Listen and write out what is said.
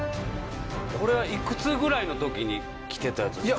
これはいくつぐらいの時に着てたやつですか？